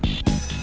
tuh tuh tuh